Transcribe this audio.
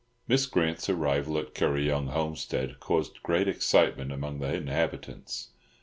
Miss Grant's arrival at Kuryong homestead caused great excitement among the inhabitants.